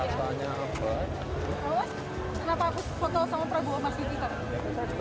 kenapa menghapus foto sama prabowo mas gita